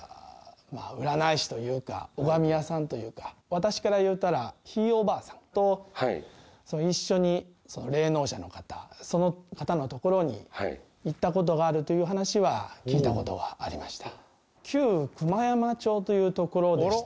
私からいったらひいおばあさんと一緒に霊能者の方その方の所に行ったことがあるという話は聞いたことはありました。